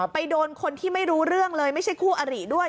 โดนคนที่ไม่รู้เรื่องเลยไม่ใช่คู่อริด้วย